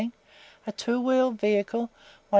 a two wheeled vehicle, 1s.